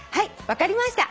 分かりました。